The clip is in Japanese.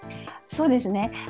そうですね。